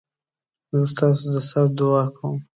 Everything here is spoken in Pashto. زه ستاسودسر دعاکوم